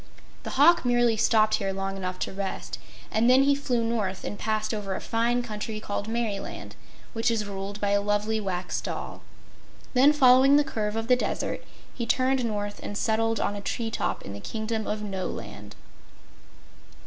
The hawk merely stopped here long enough to rest, and then he flew north and passed over a fine country called Merryland, which is ruled by a lovely Wax Doll. Then, following the curve of the Desert, he turned north and settled on a tree top in the Kingdom of Noland.